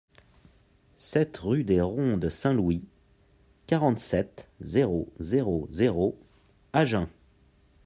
sept rue des Rondes Saint-Louis, quarante-sept, zéro zéro zéro, Agen